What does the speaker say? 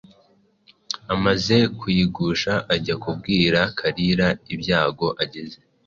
Amaze kuyigusha ajya kubwira Kalira ibyago agize;